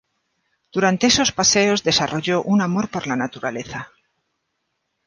Durante esos paseos desarrolló un amor por la naturaleza.